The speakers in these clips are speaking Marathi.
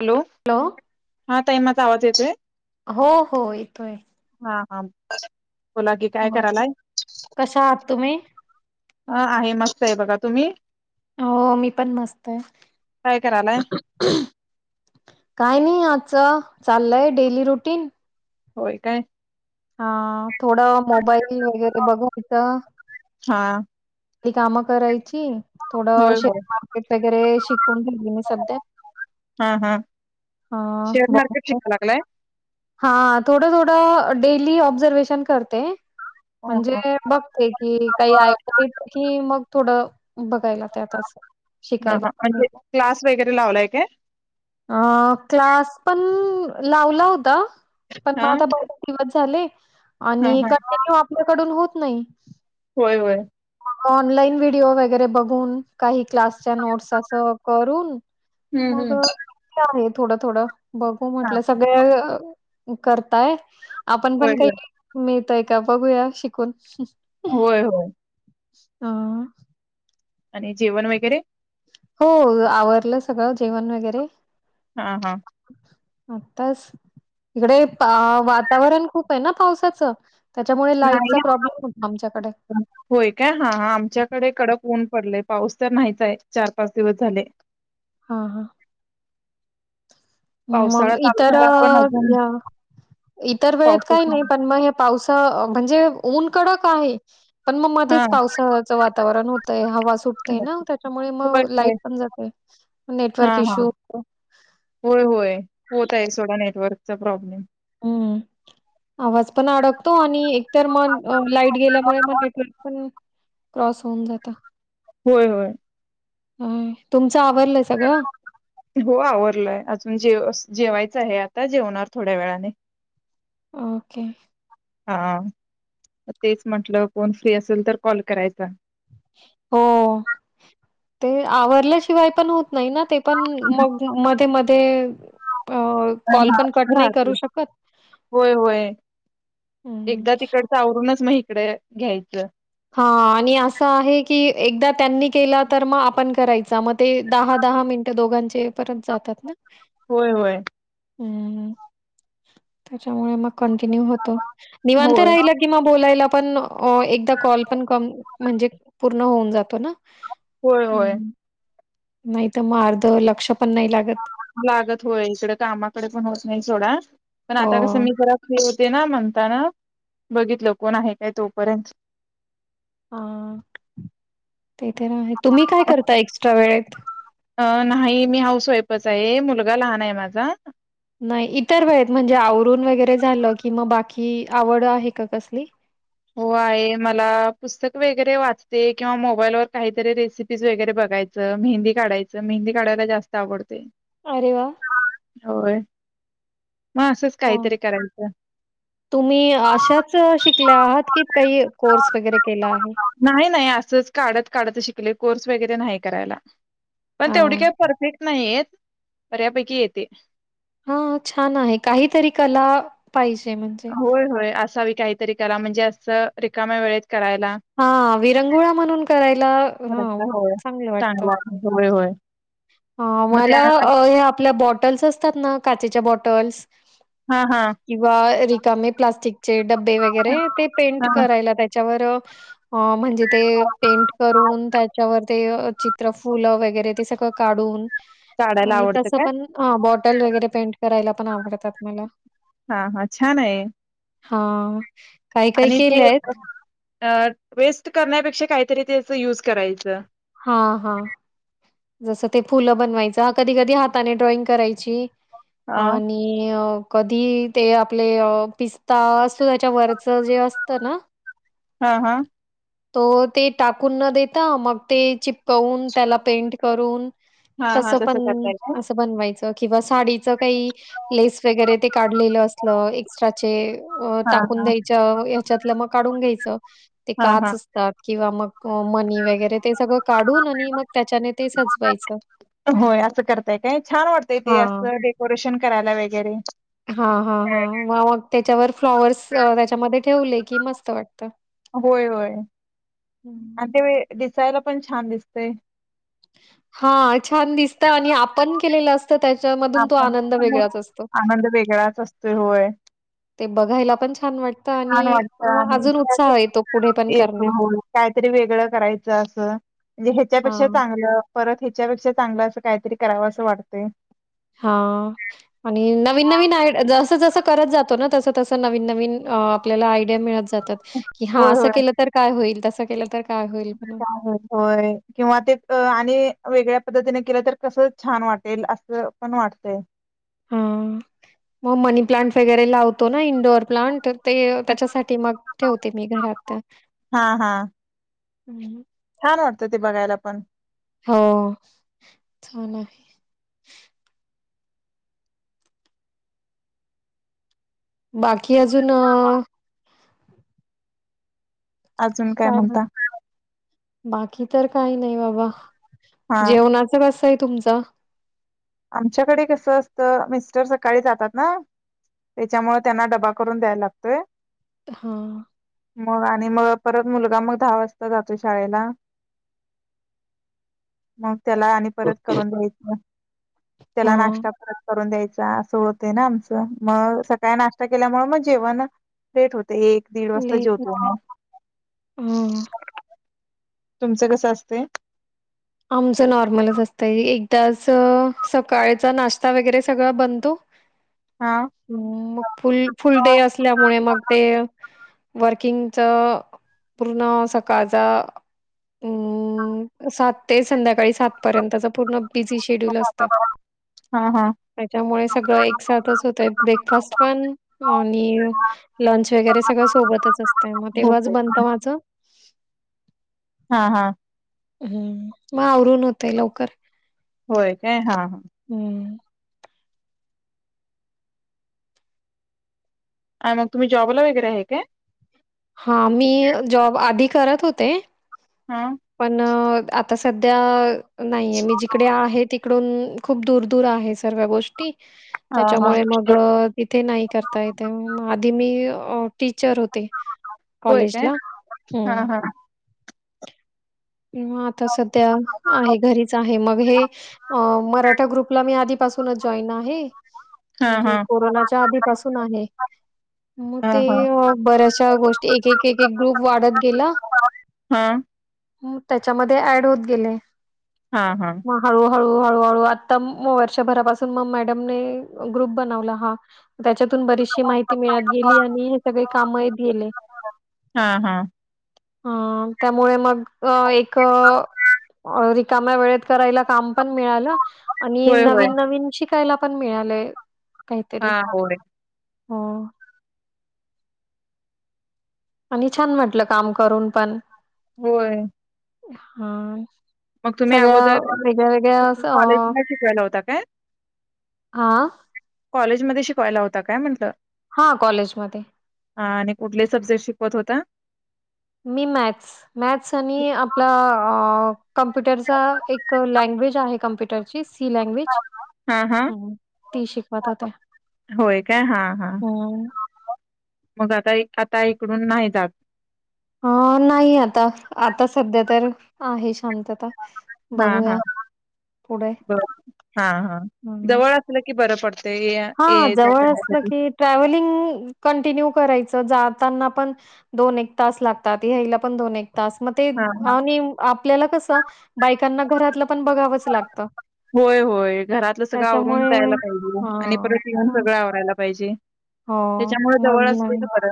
हॅलो हा ताई माझा आवाज येतो आहे? हो हो येतोय हा. हा बोला. की काय करायलाय? कशा आहात तुम्ही हा आहे मस्त आहे. बघा तुम्ही? हो मी पण मस्त आहे. काय करायलाय काय नाही आजच चाललंय डेली रुटीन. होय काय हा थोडं मोबाईल वगैरे बघायचं. हा आणि कामं करायची थोडं होय शेर होय मार्केट वगैरे शिकून घेली मी सध्या. हा हा हा शेअर मार्केट बघु शिकाय लागलाय हा थोडं थोडं. डेली ऑब्झर्वेशन करते. ह म्हणजे हा बघते की काही ऐक की मग थोडं बघायलाग. हा शिकायला हा म्हणजे क्लास वगैरे लावलाय काय अ क्लास पण लावला होता पण हा मग आता बरेच दिवस झाले हा आणि हा कंटिन्यू आपल्याकडून होत नाही. होय होय. ऑनलाईन व्हिडिओ वगैरे बघून काही? क्लासच्या नोट्स असं करून हम्म मग हम्म आहे थोडं थोडं बघू हा म्हटलं सगळ करताय आपण होय पण होय काही य का बघूया शिकून. होय होय. हा. आणि जेवण वगैरे? हो आवरलं सगळं जेवण वगैरे हा हा आताच इकडे वातावरण खूप आहे ना पावसाचं? त्याच्यामुळे लाईटचा नाही प्रॉब्लेम होतो आमच्याकडे. होय काय हा आमच्याकडे कडक ऊन पडले. पाऊस तर नाहीचाय चार पाच दिवस झाले. हा हा. पावसाळा मग चालू इतर झाला पण अजून इतर वेळेत काही पावसाच नाही पण मग पावस. म्हणजे ऊन कडक आहे. पण मग हा मध्येच पावसाचं वातावरण होतय हवा सुटते. ना त्याच्यामुळे होय मग होय लाईट पण जातय. हा नेटवर्क हा इश्यू होतो. होय. होय होत आहे सोडा नेटवर्कचा प्रॉब्लेम. हम् आवाज पण अडकतो आणि. तर मग लाईट गेल्यामुळे मग नेटवर्क पण क्रॉस होऊन जात होय होय. अ तुमच आवरल. हो आवरलाय अजून जेव जेवायच आहे आता जेवणार थोड्या वेळाने. ओके. हा तेच म्हटलं कोण फ्री असेल तर कॉल करायचा? हो ते आवरल्याशिवाय पण हो. नाही ना ते पण मग मध्ये मध्ये. होय होय. हं. एकदा तिकडच आवरूनच मग इकडे घ्यायचं. हा आणि असं आहे की एकदा त्यांनी केलं तर मग आपण करायच मग ते दहा दहा. दहा मिनटं दोघांचे परत जातात ना? होय होय हं हं त्याच्यामुळे मग कंटिन्यू होतो, निवांत होय राहिलं कि मग बोलायला पणं एकदा कॉल पण कम म्हणजे पूर्ण होऊन जातो ना? होय होय नाही तर मग अर्ध लक्ष पण नाही लागत. लागत होय इकडे कामाकडे पण होत नाही थोडा पण. हो. आता कसं मी जरा फ ते ना म्हणताना बघितलं कोण आहे काय तोपर्यंत हा ते तर आहे. तुम्ही काय करता एक्स्ट्रा वेळेत? अं नाही मी हाऊस वाईफच आहे मुलगा लहान आहे माझा नाही इतर वेळेत म्हणजे, आवरून वगैरे झालं कि म बाकी आवड आहे का कसली? हो आहे, मला पुस्तक वगैरे वाचते किंवा मोबाईल व काहीतरी रेसिपीज वगैरे बघ जायच मेंदी काढायचं, मेहंदी काढायला जास्त आवडतेय. अरे वा मग असंच काहीतरी करायचं तुम्ही अशाच शिकल्या आहात? कि काही कोर्स वगैरे केला आहे? नाही, नाही असंच काढत काढत शिकले कोर्स वगैरे नाही करायला. पण तेवढी हां. काही परफेक्ट नाहीे येत. बऱ्यापैकी येते. हा छान आहे काहीतरी कला पाहिजे म्हणजे होय, होय. असावी काहीतरी करा म्हणजे असं रिकाम्या वेळेत करायला हा विरंगुळा म्हणून करायला हं करायला होय. चांगलं वाटतं. चांगला होय, होय. मग मला त्यानंतर हे आपल्या बॉटल्स असतात ना, काचेच्या बॉटल्स हा हा किंवा रिकामे प्लास्टिकचे डब्बे वगैरे ते पेंट हां. करायला त्याच्यावर म्हणजे ते पेंट करून त्याच्यावर ते चित्र फुलं वगैरे ते सगळं काढून काढायला आणि आवडतं तस काय? पण बॉटल वगैरे पेंट करायला पण आवडतात मला. हा हा छान आहे. हा काय काय आणि ते केलेयत? अ वेस्ट करण्यापेक्षा, काहीतरी त्याच युज करायचं. हा हा जसं ते फुलं बनवायचं, कधी कधी हाताने ड्रॉइंग करायची हा. आणि कधी ते आपले पिस्ता असतो त्याच्यावररच जे असत ना? हा हा तो ते टाकून न देता मग ते चि प कवून त्याला पेंट करून हा हा तसं पण करताय काय? असं बनवायच किंवा साडी चं काही लेस वैगरे ते काढलेलं असलं एक्स्ट्राचं, ते हा टाकून हा. द्यायचं ह्याच्यातल्या मग काढून घ्यायच हा हा. काच असतात किंवा मग मनी वगैरे ते सगळं काढून आणि मग त्याच्याने ते सजवायचं. होय असं करताय काय छान वाटतंय ते हां. असं डेकोरेशन करायला वगैरे. हा हा हा मग मग त्याच्यावर फ्लॉवर्स त्याच्यामध्ये ठेवले की मस्त वाटतं. होय होय हं. आणि ते दिसायला पण छान दिसतंय. हा छान दिसतं आणि आपण केलेलं अस त्याच्यामधून तो आपण आनंद समोर वेगळाच असतो. आनंद वेगळाच असतोय होय ते बघायला पण छान वाटतं छान आणि वाटत मग अजून उत्साह येतो पुढे पण आणि एक करण्यात. हो काहीतरी वेगळं करायचं. असं म्हणजे ह्याच्यापेक्षा हां चांगलं परत ह्याच्यापेक्षा चांगलं असं काहीतरी करावं असं वाटत हा आणि नवीन नवीन आय जस जस करत जातो ना तस, तस नवीन, नवीन आपल्याला आयडिया मिळत जात. क हा होय असं होय केलं तर काय होईल तसं केलं तर. काय होईल म्हणून. होय किंवा ते आणि वेगळ्या पद्धतीने केलं तर कसं छान वाटेल असं पण वाटतंय. हा मग मनी प्लांट वगैरे लावतो ना इंडोअर प्लांट. ते त्याच्यासाठी मग ठेवते मी घरात. हा हा छान वाटतं ते बघायला पण हो छान आहे. बाकी अजून अ अजून काय म्हणता? बाकी तर काही नाही बाबा हा जेवणाच कस आहे तुमच. आमच्याकडे कस असत मिस्टर सकाळी जातात ना त्याच्यामुळे त्यांना डबा करून द्यायला लागतोय. हा. मग आणि मग परत मुलगा मग दहा वाजता जातो शाळेला मग त्याला आणि परत करून द्यायचं त्याला हां. नाश्ता परत द्यायचा अस होत ना आमच मग सकाळी नाश्ता केल्यामुळे मग जेवण लेट होत. ते एक दीड वाजता लेट जेवतो होतय म ह तुमचं कसं असते? आमचं नॉर्मलच असतंय एकदाच सकाळचा नाश्ता वगैरे सगळं बनतो. हा ह मग फुल फुल डे असल्यामुळे मग ते वर्किंगच पूर्ण सकाळचा अम सात ते संध्याकाळी सात पर्यंतचा पूर्ण बिझी शेड्यूल असत. हा हा. त्याच्यामुळे सगळं एक साथच होतय ब्रेकफास्ट पण आणि लंच वगैरे सगळ सोबतच असत मग हो तेव्हाच काय. बनत माझ [inaudible] हा हा. हम्म मग आवरून होतय लवकर. होय काय हा हा. हम्म आणि मग तुम्ही जॉबला वगैरे आहे का? हां, मी जॉब आधी करत होते हां. पण आता सध्या नाहीये मी जिकडे आहे तिकडून खूप दूर दूर आहे सर्व्या गोष्टी हां, हां. त्याच्यामुळे मग तिथे नाही करता येते आधी मी अ टीचर होते. होय कॉलेज काय? ला हां, हम्म. हां. आता सध्या आहे घरीच आहे मग हे मराठा ग्रुपला मी आधीपासून जॉन आहे हां, म्हणजे हां. कोरोनाच्या आधी पासून आहे. मग ते हां, हां. बऱ्याचशा गोष्टी एक, एक, एक, एक ग्रुप वाढत गेला. हा. त्याच्यामध्ये ऍड होत गेले. हा हा. हळू हळू आता म वर्षभरापासून मग मॅडमने ग्रुप बनवला ह त्याच्यात. तुन बरीचशी माहिती मिळत गेली आणि हे सगळे काम येत गेले. हा हा. ह त्यामुळे मग एक रिकाम्या वेळेत कराय काम पण मिळाल आणि होय, होय. नवीन नवीन शिक त्याला पण मिळालंय. काहीतरी हा होय. हो. आणि छान म्हटलं काम करून पण. होय. हा. मग तुम्ही सगळ्या अगोदर वेगळ्या वेगळ्या कुठे असं कॉलेजला शिकवायला होता काय? आा. मध्ये शिकवायला होता काय म्हटलं? हा कॉलेजमध्ये. हा आणि कुठले सब्जेक्ट शिकवत होता. मी मॅथ्स मॅथ्स आणि आपला कमप्युटरचा एक लँग्वेज आहे कम्प्युटरची ती लँग्वेज हां, हां. ह ती शिकवत होते. का हा हा. हम्म मग आता आता इकडून नाही जात. हा नाही आता आता सध्या तर आहे शांत. हां, हां. बघूया. पुढे बर हा हा हम्म जवळ असलं की बर हा जवळ असलं की ट्रॅव्हलिंग कंटिन्यू करायचं. जाताना पण दोन एक तास लागतात ह्याला पण दोन एक तास. तास म ते हा हा आणि आपल्याला कस बायकांना घरातलं पण बघावंच लागतं होय होय घरातलं सगळं आवरून त्याच्यामुळे जायला पाहिजे आणि हा परत येऊन मग सगळं आवरायला पाहिजे हो त्याच्यामुळे मग जवळ नाही असलेलं बर.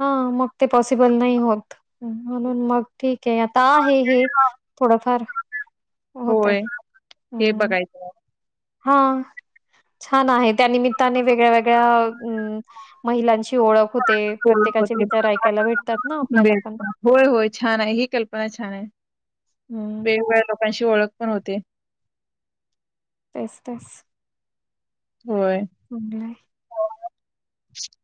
हा मग ते पॉसिबल नाही होत म्हणून मग ठीक आता आहे हे थोडाफार. होतय होय हे हम्म. बघायचं हा छान आहे त्या निमित्ताने वेगळ्या वेगळ्या महिलांशी ओळख होते होय प्रत्येकाचे होते. विचार ऐकायला भेटतात ना आपल्याला बेस्ट पण. होय होय छान आहे ही कल्पना छान आहे हम्म वेगवेगळ्या लोकांशी ओळख पण होते. तेच तेच. होय. होय.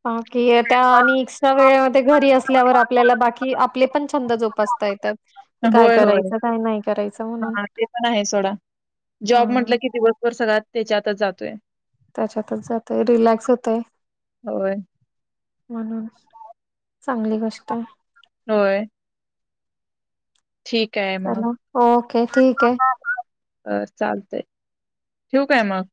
हा कि त्या आणि कसं वेळेवर ते घरी असल्यावर आपल्याला बाकी आपले पण छंद जोपासता येतात. की काय होय होय करायचं काय नाही करायचं म्हणून हा ते पण आहे सोडा. जॉब हा म्हटलं की दिवसभर सगळा त्याच्यातच जातोय. त्याच्यातच जातय रिलॅक्स होतय. होय, म्हणून चांगली गोष्ट आहे. होय. ठीक आहे मग. चला ओके ठीक आहे. अ चालतय ठेवु काय मग?